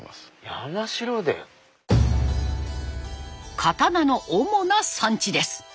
刀の主な産地です。